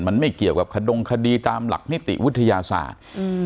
มันไม่เกี่ยวกับขดงคดีตามหลักนิติวิทยาศาสตร์อืม